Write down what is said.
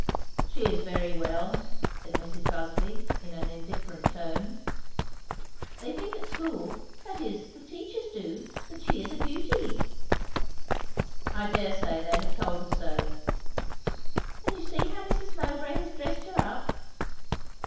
"She is very well," said Mrs. Busby in an indifferent tone. "They think at school, that is, the teachers do, that she is a beauty." "I dare say they have told her so." "And you see how Mrs. Mowbray has dressed her up."